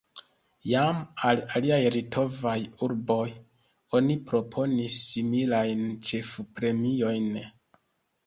Jam al aliaj litovaj urboj oni proponis similajn ĉefpremiojn.